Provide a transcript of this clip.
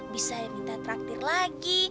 bisa minta traktir lagi